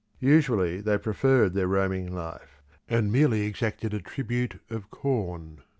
Usually they preferred their roaming life, and merely exacted a tribute of corn.